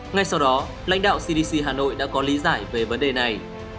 ngay sau đó lãnh đạo cdc hà nội đã có lý giải về vấn đề này